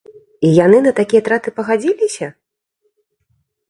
І яны на такія траты пагадзіліся?